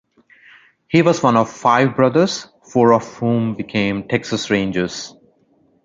He was one of five brothers, four of whom became Texas Rangers.